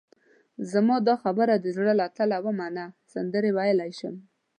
زما دا خبره د زړه له تله ومنه، سندرې ویلای شم.